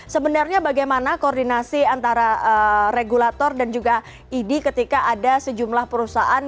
sebenarnya bagaimana koordinasi antara regulator dan juga idi ketika ada sejumlah perusahaan